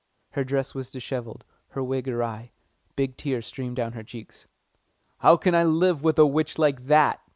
Her dress was dishevelled, her wig awry; big tears streamed down her cheeks. "How can I live with an old witch like that?"